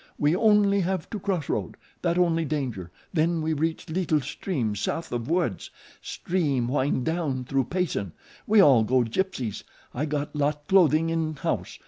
We on'y have to cross road, that only danger. Then we reach leetle stream south of woods, stream wind down through Payson. We all go Gypsies. I got lot clothing in house.